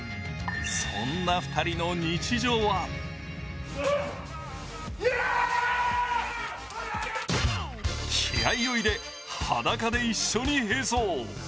そんな２人の日常は気合いを入れ、裸で一緒に併走。